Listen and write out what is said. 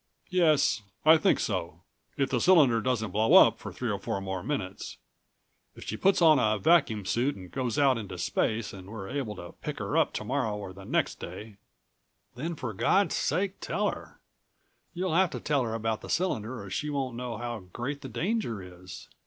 "Yes ... I think so. If the cylinder doesn't blow up for three or four more minutes. If she puts on a vacuum suit and goes out into space and we're able to pick her up tomorrow or the next day " "Then for God's sake tell her. You'll have to tell her about the cylinder, or she won't know how great the danger is.